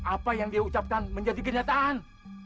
apa yang dia ucapkan menjadi kenyataan